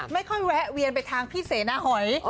ไม่ค่อยแวะเวียนไปทางพี่เสน่าหอย